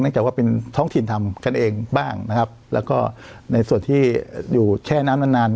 จากว่าเป็นท้องถิ่นทำกันเองบ้างนะครับแล้วก็ในส่วนที่อยู่แช่น้ำนานนาน